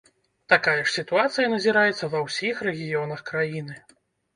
Такая ж сітуацыя назіраецца ва ўсіх рэгіёнах краіны.